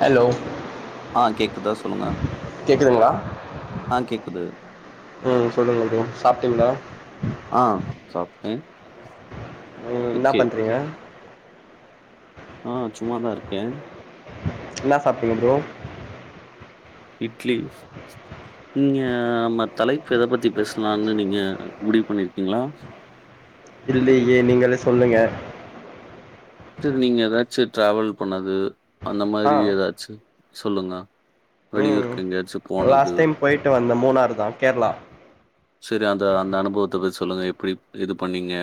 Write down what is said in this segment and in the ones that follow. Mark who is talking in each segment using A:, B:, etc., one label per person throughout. A: Hello
B: ஆ கேக்குதா சொல்லுங்க
A: கேக்குதுங்களா
B: ஆ கேக்குது
A: ம் சொல்லுங்க ப்ரோ சாப்டிங்களா
B: ஆ சாப்ட்டே
A: ம் என்னா பண்றீங்க
B: ஆ சும்மாதா இருக்கே
A: என்னா சாப்டிங்க ப்ரோ
B: இட்லி ம் ஏ நம்ம தலைப்பு எத பத்தி பேசலான்னு நீங்க முடிவு பண்ணிருக்கீங்ளா
A: இல்லையே நீங்களே சொல்லுங்க
B: செரி நீங்க எதாச்சு ட்ராவல் பண்ணது அந்த
A: ஆ
B: மாதிரி எதாச்சு சொல்லுங்க
A: ம்
B: வெளியூருக்கு எங்கயாச்சு
A: லாஸ்ட் டைம் போயிட்டு வந்த மூணாறுதா கேரளா
B: செரி அந்த அந்த அனுபுவத்த பத் சொல்லுங்க எப்டி இது பண்ணீங்க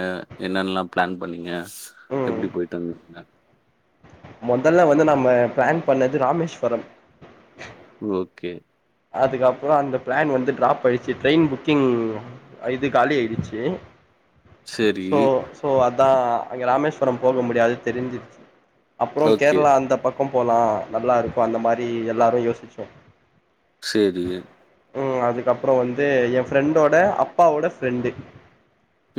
B: என்னன்லா பிளான் பண்ணீங்க
A: ம்
B: எப்டி பொயிட்டு வந்திங்க
A: மொதல்ல வந்து நம்ம பிளான் பண்ணது ராமேஸ்வரம்
B: ஓகே
A: அதுக்கப்பறோ அந்த பிளான் வந்து ட்ராப் ஆயிட்ச்சி ட்ரெயின் புக்கிங் அ இது காலி ஆயிடுச்சி
B: சரி.
A: சோ சோ அதா அங்கெ ராமேஸ்வரொ போக முடியாது தெரிஞ்சிர்ச்சி அப்றோ
B: ஓகே.
A: கேரளா அந்த பக்கொ போலா நல்லா இருக்கு அந்த மாரி எல்லாரு யோசிச்சோ
B: சேரி
A: ம் அதுக்கப்பறோ வந்து ஏ ஃப்ரெண்டோட அப்பாவோட ஃப்ரெண்டு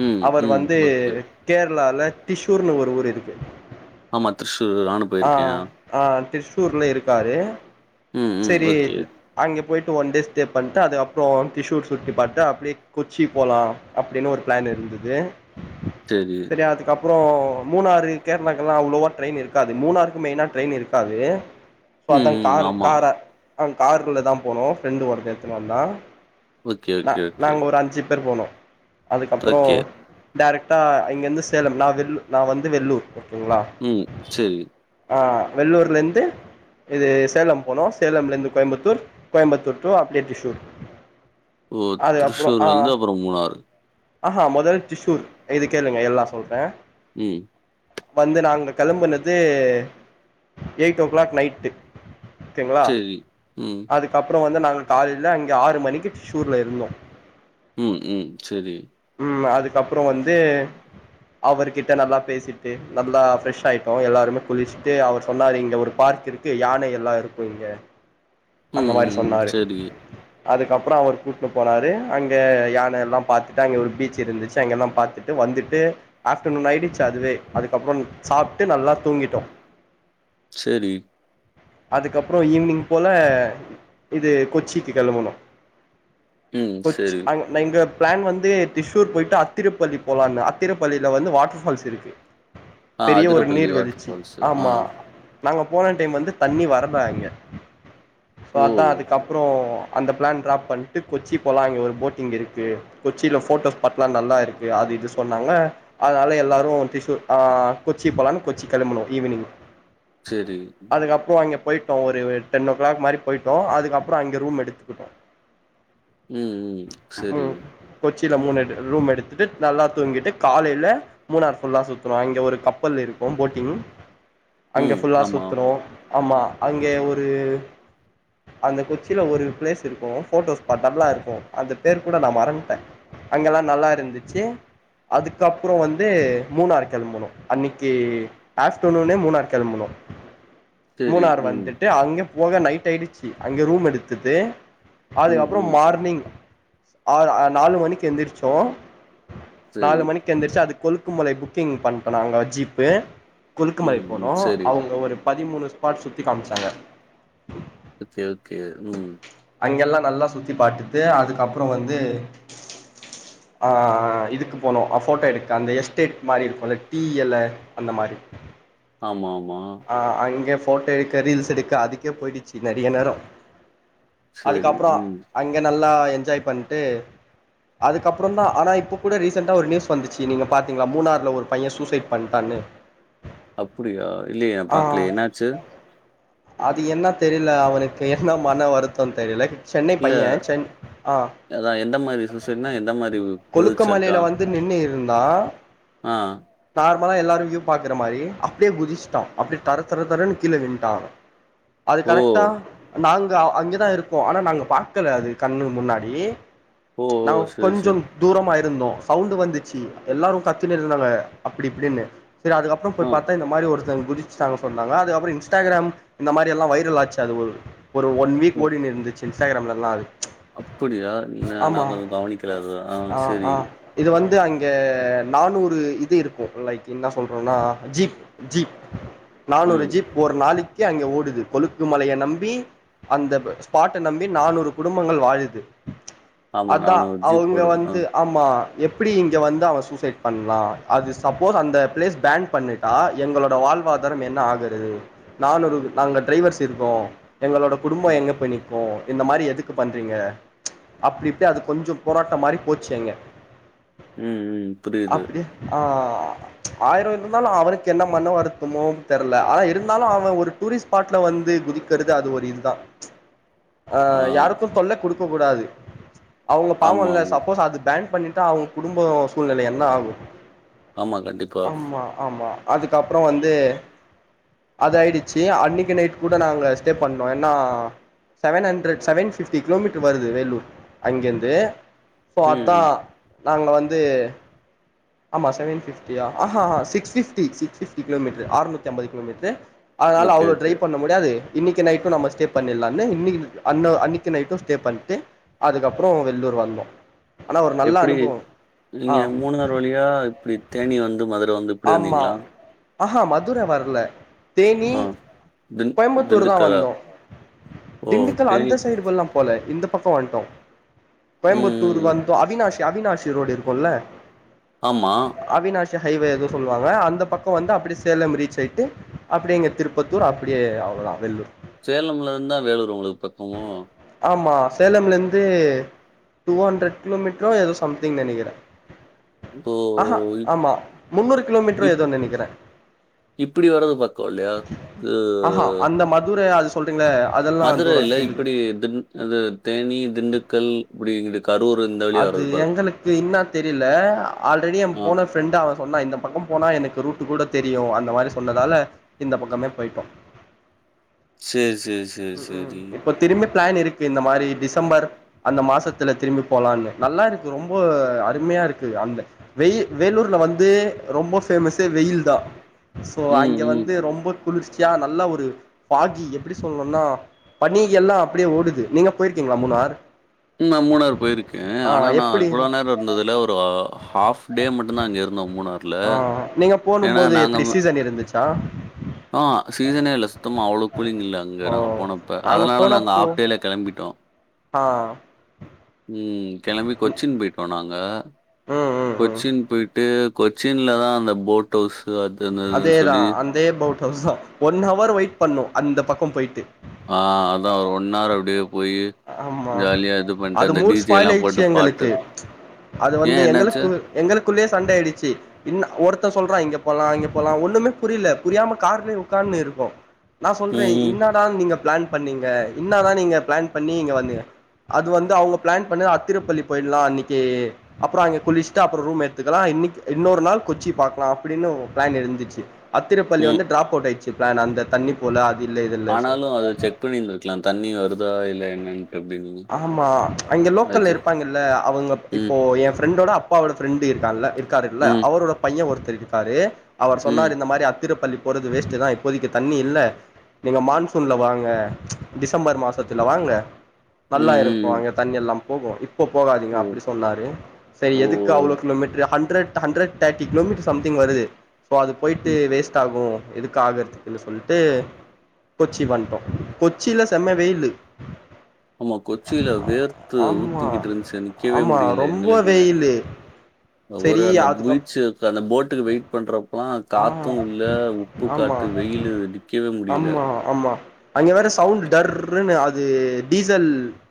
B: ம்,
A: அவர்
B: ம்.
A: வந்து
B: ஓகே.
A: கேரளால டிசூர்னு ஒரு ஊர் இருக்கு
B: ஆமா திரிஸ்சூர் நானு
A: ஆ
B: பொயிருக்கே
A: ஆ திரிசூர்ல இருக்காரு
B: ம், ம்.
A: செரீ
B: ஓகே.
A: அங்க பொயிட்டு ஒன் டே ஸ்டே பண்ட்டு அதுக்கப்றோ திசூர் சுத்தி பாத்ட்டு அப்டியே கொச்சி போலா அப்டினு ஒரு பிளான் இருந்தது
B: சேரி
A: தெரியாதுக்கப்றோ மூணாறு கேரளாக்கெல்லா அவ்ளோவா ட்ரெயின் இருக்காது மூணாறுக்கு மெயினா ட்ரெயின் இருக்காது சோ
B: ம்,
A: அதா
B: ம்.
A: காரு
B: ஆமா.
A: கார காருக்குள்ளதா போனோ ஃப்ரெண்டு ஒருத்த எடுத்துனு வந்தா
B: ஓகே,
A: நா
B: ஓகே, ஓகே.
A: நாங்க ஒரு அஞ்சு பேர் போனோ அதுக்கப்றோ
B: ஓகே.
A: டேரக்டா இங்கர்ந்து சேலம் நா வெள்ளு நா வந்து வெள்ளூர் ஓகேங்களா
B: ம் செரி
A: ஆ வெள்ளூர்லந்து இது சேலம் போனூ சேலம்லந்து கோயம்புத்தூர் கோயம்புத்தூர் டூ அப்டியே திரிசூர்
B: ஓ திருசூர்லர்ந்து அப்பறொ மூணாறு
A: ஆஹா மொதல் திசூர் இது கேளுங்க எல்லா சொல்றே
B: ம்
A: வந்து நாங்க கிளம்புனது எயிட் ஓ கிளாக் நைட்டு ஓகேங்ளா
B: சேரி உம்
A: அதுக்கப்றோ வந்து நாங்க காலையில அங்க ஆறு மணிக்கு திசூர்ல இருந்தோ
B: ம் ம் சரி
A: ம் அதுக்கப்றொ வந்து அவர்கிட்ட நல்லா பேசிட்டு நல்லா ஃப்ரெஷ் ஆயிட்டோ எல்லாருமே குளிச்சுட்டு அவர் சொன்னாரு இங்கே ஒரு பார்க் இருக்கு கு யானை எல்லா இருக்கு இங்க
B: ம்,
A: அந்த மாரி
B: ம், ம்.
A: சொன்னாரு
B: சரி,
A: அதுக்கப்றொ அவர் கூட்டுனு போனாரு அங்க யானை எல்லா பாத்துட்டு அங்க ஒரு பீச் இருந்துச்சு அங்க எல்லா பாத்துட் டு வந்துட்டு ஆஃப்டனூன் ஆயிடுச்சு அதுவே அதுக்கப்புறொ சாப்ட்டு நல்லா தூங்கிட்டோ
B: செரி
A: அதுக்கப்றொ ஈவ்னிங் போ லா இது கொச்சிக்கு கெளம்பணு
B: ம்.
A: கொச்சி
B: சரி.
A: அங்க எங்க பிளான் வந்து திஷூர் போயிட்டு அத்திரப்பள்ளி போலான்னா அத்திரப்பள்ளியில வந்து வாட்டர்பால்ஸ் இல்ல
B: ஆ
A: பெரிய ஒரு
B: அதிரப்பள்ளி
A: நீர்
B: வாட்டர்
A: விழிச்சி
B: ஃபால்ஸ். ஆ.
A: நாங்க போன டைம் வந்து தண்ணி வரல அங்க சோ அதா
B: ஓ!
A: அதுக்கப்றொ அந்த பிளான் ட்ராப் பண்ட்டு கொச்சி போலா அங்க ஒரு போட்டிங் இருக்கு கொச்சில போட்டோஸ்பாட்லா நல்லா இருக்கு அது இது சொன்னாங்க அதனால எல்லாரும் திஷூர் ஆ கொச்சி போலான் கொச்சி கிளம்பனோ ஈவினிங்
B: சரி.
A: அதுக்கப்றொ அங்க போயிட்டோ ஒரு எட் டென்ஓ கிளாக் மாரி போயிட்டோ அதுக்கப்றொ அங்கே ரூம் எடுத்துக்கிட்டோ
B: ம் ம் ம் செரி
A: கொச்சியில மூணு எடு ரூம் எடுத்துட்டு நல்லா தூங்கிட்டு காலைல மூணார் ஃபுல்லா சுத்துனோ அங்க ஒரு கப்பல் இருக்கு போட்டிங் அங்க
B: ம்.
A: ஃபுல்லா
B: ஆமா.
A: சுத்துனோ ஆமா அங்கே ஒரு அந்த கொச்சில ஒரு பிளேஸ் இருக்கு போட்டோஸ்பாட் நல்லா இருக்கு அந்த பேர் கூட நா மறந்துட்ட அங்கலா நல்லா இருந்துச்சி அதுக்கப்றொ வந்து மூணார் கெளம்புணோ அன்னிக்கு ஆஃப்டர்நூனே மூணாறு கிளம்பனோ
B: சரி.
A: மூணணறு
B: ம்.
A: வந்துட்டு அங்க போக நைட் ஆயிடுச்சு அங்க ரூம் எடுத்துட்டு
B: ம்,
A: அதுக்கப்றோ
B: ம்.
A: மார்னிங் ஆ நாலு மணிக்கு எந்திரிச்சோ
B: சரி.
A: நாலு மணிக்கு எந்திரிச்சு அது கொலுக்குமலை புக்கிங் பண்ட்டோ நாங்க ஜீப்பு கொலுக்குமலை
B: ம், ம்.
A: போனோ
B: சரி.
A: அவங்க ஒரு பதிமூணு ஸ்பாட் சுத்தி காம்ச்சாங்க
B: ஓகே ஓகே ம்
A: அங்கெல்லாம் நல்லா சுத்தி பாத்துட்டு அதுக்கப்றொ வந்து ஆ இதுக்கு போனோ ஆ போட்டோ எடுக்க அந்த எஸ்டேட் மாரி இருக்கு இல்ல டீ எல அந்த மாரி
B: ஆமா ஆமா
A: ஆ அங்கே போட்டோ எடுக்க ரீல்ஸ் எடுக்க அதுக்கே போயிடுச்சு நறிய நேரொ
B: சரி.
A: அதுக்கப்றொ
B: ம்.
A: அங்க நல்லா என்ஜாய் பண்ட்டு அதுக்கப்புறந்தா ஆனா இப்போ கூட ரீசெண்டா ஒரு நியூஸ் வந்துச்சு நீங்க பாத்தீங்களா மூணாறுல ஒரு பைய சூசைட் பண்ட்டான்னு
B: அப்டியா இல்லையே நா
A: ஆ
B: பாக்கலயே என்னாச்சு
A: அது என்ன தெரியல அவனுக்கு என்ன மன வருத்தொ தெரியல சென்னை
B: இல்ல
A: பைய சென் ஆ
B: அதான் எந்த மாரி சூசைட்னா, எந்த மாரி புது ஷர்ட்டா?
A: கொழுக்குமலைல வந்து நின்னு இருந்தா
B: ஆ
A: நார்மலா எல்லாரு வியூ பாக்ர மாரி அப்டியே குதிச்சிட்டா அப்டியே தர தர தரன் கீழே நின்டா அவ அது
B: ஓ!
A: கரெக்டா நாங்க அங்கதா இருக்கோ ஆனா நாங்க பாக்கல அது கண்ணு முன்னாடி
B: ஓ!
A: நா
B: ஓ! சரி, சரி.
A: கொஞ்சம் தூரமா இருந்தோ சவுண்ட் வந்துச்சி எல்லாரு கத்தீனு இருந்தாங்க அப்டி இப்டின்னு சரி அதுக்கப் அப்பறம்
B: ஆ.
A: போய்பாத்தா இந்த மாரி ஒருத்தங்க குதிச்சிட்டாங்க சொன்னாங்க அதுக்கப்புறம் இன்ஸ்டாகிராம் இந்த மாரி எல்லா வைரல் ஆச்சு அது ஒரு ஒரு ஒன் வீக்
B: ஓ!
A: ஓடினு இருந்துச்சு இன்ஸ்டாகிராம்லல்லா அது
B: அப்படியா நா
A: ஆமா
B: வந்து கவனிக்கல ஆ செரி
A: இது வந்து அங்கே நானூறு இது இருக்கூ லைக் என்ன சொல்றோனா ஜீப் ஜீப் நானூறு
B: ம்.
A: ஜீப் ஒரு நாளைக்கி அங்க ஓடுது கொழுக்கு மலைய நம்பி அந்த ஸ்பாட்ட நம்பி நானூறு குடும்பங்கள் வாழுது
B: ஆமா.
A: அதா
B: நான் ஒரு ஜீப்
A: அவுங்க
B: ஓடுது. ஆ.
A: வந்து ஆமா எப்பிடி இங்கே வந்து அவ சூசைட் பண்லா அது சப்போஸ் அந்த பிளேஸ் பேன் பண்ணி டி எங்களோட வாழ்வாதாரம் என்ன ஆகுரது நானூறு நாங்க டிரைவர்ஸ் இருக்கோ எங்களோட குடும்பொ
B: ம்.
A: எங்க போய் நிக் கூ இந்த மாரி எதுக்கு பண்றீங்க அப்டி இப்டி அது கொஞ்சொ போராட்டம் மாரி போச்சு அங்க
B: ம் ம் புரியுது
A: அப்டி ஆ ஆயிரம் இருந்தாலு அவனுக்கு என்ன மன வருத்தமோ தெர்ல ஆனா இருந்தாலு அ ஒரு டூரிஸ்ட் ஸ்பாட்ல வந்து குதிக்கிறது அது ஒரு இதுதா அ
B: ஆ.
A: யாருக்கும் தொல்ல குடு க கூடாது அவுங்க
B: ஆமா,
A: பாவோல
B: ஆமா.
A: சப்போஸ் அது பேன் பண்ணிட்டா அவுங் குடும்போ சூழ்நிலை என்ன ஆகூ
B: ஆமா, கண்டிப்பா.
A: ஆமா ஆமா அதுக்கப்றொ வந்து அது ஆயிடுச்சி அன்னைக்கு நைட் கூட நாங்க ஸ்டே பண்ணோ என்னா seven hundred seven fifty kilometre வருது வேலூர் அங்கேருந்து சோ அதா
B: ம்.
A: நாங்க வந்து ஆமா செவன் ஃபிஃப்டியா ஆஹா சிக்ஸ்ஃபிப்டி சிக்ஸ் ஃபிஃப்டி கிலோமீட்ரு ஆறுநூத்தி ஐம்பது கிலோமீட்ரு அதனால
B: ஓகே,
A: அவ்ளோ
B: ஓகே.
A: ட்ரைவ் பண்ண முடியாது இன்னைக்கி நைட்டூ நம்ம ஸ்டே பண்ணிலான்னு இன்னைக்கு அன்ன அன்னைக்கி நைட்டூ ஸ்டே பண்ட்டு அதுக்கப்றோ வெல்லூர் வந்தோ ஆனா ஒரு நல்ல
B: எப்டி
A: அனுபவோ ஆ
B: நீங்க மூணாறு வழியா இப்டி தேனி வந்து மதுர வந்து இப்படி
A: ஆமா
B: வந்தீங்களா?
A: ஆஹா மதுர வர்ல தேனி
B: ஆ. திண்
A: கோயம்புத்தூர்தா
B: திண்டுக்கல்லா?
A: வந்தோ
B: ஓ!
A: திண்டுக்கல்
B: தேனி
A: அந்த சைடுல்லா போல இந்த பக்கோ வண்டோ
B: ம்,
A: கோயம்புத்தூர்
B: ம்,
A: வந்தோ அவினாஷி அவினாஷி ரோடு இருக்கோல
B: ஆமா
A: அவினாஷி ஹைவே எதுவு சொல்லுவாங்க அந்த பக்கொ வந்து அப்டே சேலம் ரீச் ஆயிட்டு அப்டியே இங்க திருப்பத்தூர் அப்டியே அவ்ளோதா வெல்லூர்
B: சேலம்ல இருந்துந்தா வேலூர் உங்களுக்கு பக்கமோ
A: ஆமா சேலம்லேந்து டூஹண்ரட் கிலோமீட்ரோ எதோ சம்திங் நெனைக்குறே
B: இப்போ
A: ஆஹா
B: இப்
A: ஆமா முன்னூறு கிலோமீட்ரோ ஏதோ நெனைக்கிறே
B: இப்டி வர்றது பக்கோ இல்லயா
A: ஆ அந்த மதுர அது சொல்றீங்ள
B: மதுர இல்ல இப்டி தி அது தேனி திண்டுக்கல் இப்டி இங்குட்டு கரூர் இந்த வழியா
A: அது
B: வர்றது பாரு.
A: எங்களுக்கு இன்னா தெரில ஆல்ரெடி எ
B: ஆ.
A: போன ஃப்ரெண்ட் அவ சொன்னா இந்த பக்கம் போனா எனக்கு ரூட்டு கூட தெரியு அந்த மாரி சொன்னதால இந்த பக்கமே போய்ட்டோ
B: சரி, சரி, சரி,
A: ம்
B: சரி.
A: ம்இப்ப திரும்ப பிளான் இருக்கு இந்த மாரி டிசம்பர் அந்த மாசத்துல திரும்பி போலான்னு நல்லா இருக்கு ரொம்போ அருமையா இருக்கு அந்த வெயி வேலூர்ல வந்து ரொம்ப ஃபேமஸே வெயில் தா சோ
B: ம்,
A: அங்க
B: ம்.
A: வந்து ரொம்ப குளிர்ச்சியா நல்ல ஒரு பாகி எப்டி சொல்லணோனா பனி எல்லா அப்டியே ஓடுது நீங்க போயிருக்கீங்களா மூணார்
B: ம் நா மூணார் போயிருக்கே
A: ஆ
B: ஆனா நா
A: எப்டி
B: இவ்ளோ நேரோ இருந்ததுல ஒரு ஆஃப்டே மட்டுதா அங்க இருந்தோ மூணார்
A: ஆ நீங்க போனு போதே எப்டி சீசன் இருந்துச்சா
B: ஆ ஹ சீசனே இல்ல சுத்தமா அவ்ளோக்குளிங் இல்ல அங்க
A: ஓ
B: நாங்க போனப்ப அதனால நாங்க ஆஃப்டேலயே கெளம்பிட்டோ
A: ஆ
B: ம் கெளம்பி
A: ம்
B: கொச்சின் போயிட்டோ நாங்க
A: ம் ம் ம்
B: கொச்சின் போயிட்டு கொச்சின்லதா அந்த போட் ஹவுஸ் அது என்னதுன்னு சொல்லி
A: பே போட் ஹவுஸ்சோ ஒன் ஹவர் வெயிட் பண்ணோ அந்த பக்கோ போயிட்டு
B: ஆ அதா ஒன் ஹவர் அப்டியே போயி
A: ஆமா அது மூட் ஸ்பாயில் ஆயிச்சி
B: போட்டு பாட்டு.
A: எங்களுக்கு அது வந்து
B: ஏன் என்னாச்சு?
A: எங்களுக்கு எங்களுக்குள்ளேயே சண்ட ஆயிடுச்சி இன்ன ஒருத்தே சொல்றா இங்க போலா அங்க போலா ஒண்ணுமே புரில புரியாம கார்லயே உக்கார்னு இருக்கோ நா சொல்றே
B: ம்,
A: இ
B: ம்,
A: இன்னாடா நீங்க பிளான் பண்ணிங்க இன்னாதா நீங்க பிளான் பண்ணி இங்க வந்திங்க அது வந்து அவுங்க பிளான் பண்ண அத்திரப்பள்ளி போயிடலா அன்னிக்கே அப்பறோ அங்க குளிச்சுட்டு அப்பறோ ரூம் எடுத்துக்கலா இன்னிக் இன்னொரு நாள் கொச்சி பாக்கலா அப்டின்னு பிளான் இருந்துச்சி அத்திரப்பள்ளி
B: ம்.
A: வந்து ட்ராப் போட்டாச்சி பிளான் அந்த தண்ணி போல அது இல்ல இது இல்ல சோ
B: ஆனாலு அதா செக் பண்ணியிந்திருக்கலா தண்ணி வருதா இல்ல என்னன்ட்டு அப்டின்னி
A: ஆமா அங்க லோக்கல்ல இருப்பாங்கல்ல அவுங்க
B: ம்,
A: இப்போ எ ஃப்ரெண்டோட அப் அப்பாவோட ஃப்ரெண்டு இருக்கான்ல இருக்காருல்ல
B: ம்,
A: அவரோட பையே ஒருத்தரு இருக்காரு அவர் சொன்னாரு
B: ம்,
A: இந்த மாரி அத்திரப்பள்ளி போறது வேஸ்ட்டு தா இப்போதைக்கு தண்ணி இல்ல நீங்க மான்சூன்ல வாங்க டிசம்பர் மாசத்துல வாங்க
B: ம்,
A: நல்லா இருக்கோ
B: ம். ம்.
A: அங்க தண்ணி எல்லா போகு இப் போ போகாதீங்க
B: ஓ!
A: அப்டி சொன்னாரு செரி
B: ஓ!
A: எதுக்கு அவ்ளோ kilometre hundred hundred thirty kilometre something வருது சோ அது போயிட்டு
B: ம்.
A: வேஸ்ட் டாகு எதுக்கு ஆகுறதுக்கில்ல சொல்ட்டு கொச்சிகு வண்ட்டோ கொச்சில செம்ம வெயிலு
B: ஆமா கொச்சில வேர்த்து
A: ஆமா
B: ஊத்திக்கிட்டு இருந்துச்சி நிக்கவே
A: ஆமா
B: முடியல
A: ரொம்ப
B: எங்களுக்குமே
A: வெயிலு
B: அ ஒரு
A: சரி
B: அந்த
A: அதுக்கப்
B: புல்ச்சு தன அந்த போட்டுக்கு வெயிட் பண்ற அப்பலா
A: ஆ
B: காத்து இல்ல உப்பு
A: ஆமா
B: காத்து வெயில்ல நிக்கவே முடியல
A: ஆமா ஆமா அங்க வேற சவுண்ட் டர்ருனு அது டீசல்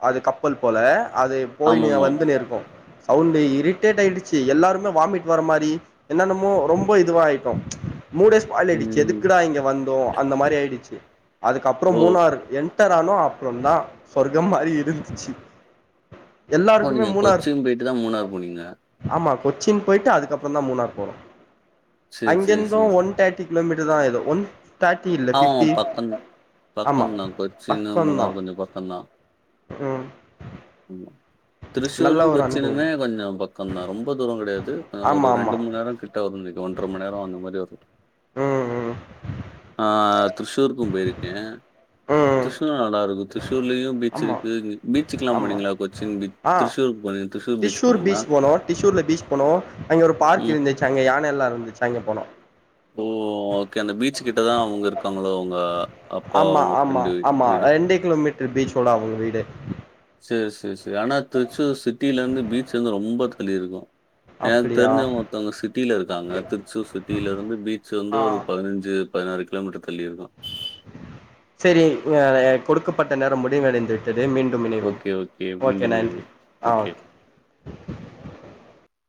A: அது கப்பல் போல அது போய்னு
B: ஆமாமா.
A: வந்துனு இருக்கோ சவுண்டே இரிட்டேட் ஆயிடுச்சி எல்லாருமே வாமிட் வர மாரி என்னமோ ரொம்ப இதுவா மூடே ஸ்பாயில் ஆயிடுச்சி
B: ம்.
A: எதுக்குடா இங்க வந்தோ அந்த மாரி ஆயிடுச்சி அதுக்கப்பறோ
B: ஓ!
A: மூணார் என்டர் ஆனோ அப்பறோதா சொர்க்க மாரி இருந்துச்சி
B: ஓ நீங்க கொச்சின் போயிட்டு தா மூணார் போனீங்களா
A: ஆமா கொச்சின் போயிட்டு அதுக்கப்பறதா மூணார் போனோ
B: சரி, சரி,
A: அங்கிருந்தோ
B: சரி.
A: ஒன் தேர்டி கிலோமீட்டர் தா ஏதோ ஒன் தேர்டி இல்ல
B: ஆமாமா.
A: ஃபிஃப்டி
B: பக்கம்
A: ஆமா
B: பக்கம் தான். கொச்சின்,
A: பக்கோதா
B: மூணார் கொஞ்சம் பக்கம் தான்.
A: ம்
B: ஆமா
A: நல்ல
B: திருச்சூரு
A: ஒரு அனுபவம்
B: கொச்சினுமே கொஞ்சொ பக்கந்தா ரொம்ப தூரோ கிடையாது
A: ஆமா
B: ஒரு
A: ஆமா
B: ரெண்டு மூணு நேர கரெக்டா ஒரு மணி ஒன்ற மணிநேர அந்த மாதிரி வருது
A: ம் ம்
B: ஆ திரிஷூருக்கு போயிருக்கே
A: ம்
B: திரிஷூர் நல்லா இருக்கு திரிஷூர்லயு
A: ஆமா
B: பீச்சுக்கு பீச்சுக்கெல்லா
A: ஆமா
B: போனீங்களா கொச்சின் பீச்
A: ஆ
B: திருச்சூரு போனிங் திருச்சூர் பீச்சிக்
A: டிஷூர்
B: போனீங்களா
A: பீச் போனோ டிஷூர்ல பீச் போனோ அங்க ஒரு பார்க்கு
B: ம்.
A: இருந்துச்சா அங்க யானை எல்லா இருந்துச்சா அங்க போனோ
B: ஓ ஓகே அந்த பீச்சி கிட்டதா அவுங்க இருக்காங்களோ அவுங்க
A: ஆமா ஆமா ஆமா ரெண்டே கிலோமீட்டர் பீச்சோட அவங்க வீடு
B: செரி செரி செரி ஆனா திருச்சூர் சிட்டில இருந்து பீச்லேந்து ரொம்ப தள்ளி இருக்கு எனக்கு
A: அப்டியா
B: தெரிஞ்சவங்க ஒருத்தங்க சிட்டில இருக்காங்க திருச்சூர் சிட்டில இருந்து பீச்லருந்து
A: ஆ
B: ஒரு பதினஞ்சு பதினாறு கிலோ மீட்டர் தள்ளி இருக்கு
A: செரி அ கொடுக்கப்பட்ட நேரோ முடிவடைந் தது மீண்டும் இனைவோம்
B: ஓகே,
A: ஓகே
B: மீண்டும்
A: நன்றி
B: இணைவோம்.
A: ஆ ஓகே